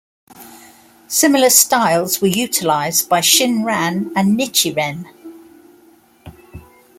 Similar styles were utilized by Shinran and Nichiren.